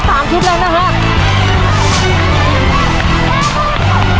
ตอนนี้ได้๓ชุดเลยนะคะ